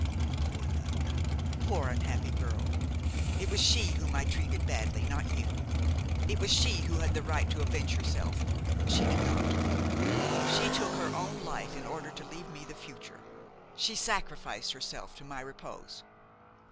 Poor Noun! poor unhappy girl! It was she whom I treated badly, not you; it was she who had the right to avenge herself, and she did not. She took her own life in order to leave me the future. She sacrificed herself to my repose.